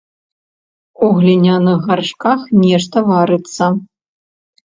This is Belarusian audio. У гліняных гаршках нешта варыцца.